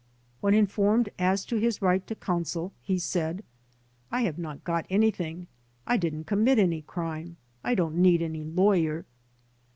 When informed as to his right to counsel he said: ''I have not got ansrthing. I didn't commit any crime. I don't need any lawyer."